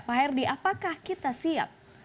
pak herdy apakah kita siap